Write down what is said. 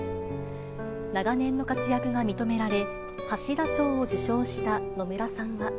長年の活躍が認められ、橋田賞を受賞した野村さんは。